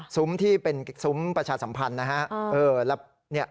ที่เป็นซุ้มประชาสัมพันธ์นะฮะ